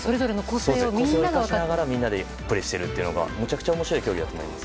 分かち合いながらプレーをしているというのがめちゃくちゃ面白い競技だと思います。